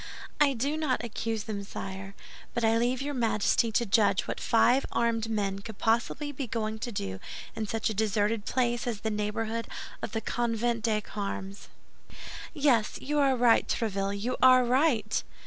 "I do not accuse them, sire; but I leave your Majesty to judge what five armed men could possibly be going to do in such a deserted place as the neighborhood of the Convent des Carmes." "Yes, you are right, Tréville, you are right!"